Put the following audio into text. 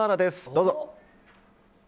どうぞ！